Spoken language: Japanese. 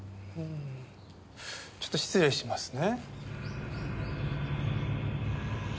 ちょっと失礼しますね。